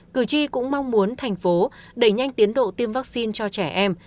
cử tri cũng mong muốn thành phố đẩy nhanh tiến độ tiêm vaccine cho trẻ em